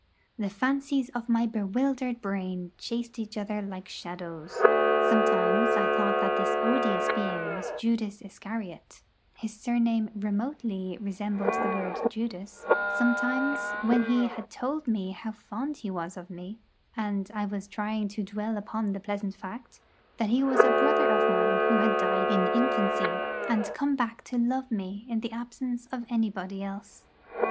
The fancies of my bewildered brain chased each other like shadows. Sometimes I thought that this odious being was Judas Iscariot (his surname remotely resembled the word 'Judas'); sometimes when he had told me how fond he was of me, and I was trying to dwell upon the pleasant fact that he was a brother of mine who had died in infancy, and come back to love me in the absence of anybody else.